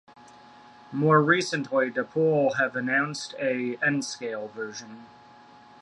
More recently, Dapol have announced a N Scale version.